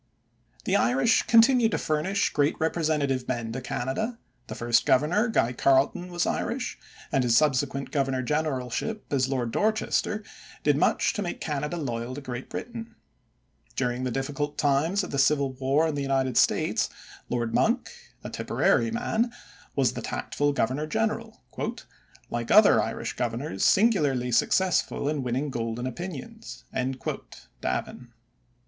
The Irish continued to furnish great representative men to Canada. The first governor, Guy Carleton, was Irish, and his subsequent governor generalship as Lord Dorchester did much to make Canada loyal to Great Britain. During the difficult times of the Civil War in the United States, Lord Monck, a Tipperary man, was the tactful governor general, "like other Irish Governors singularly successful in winning golden opinions" (Davin).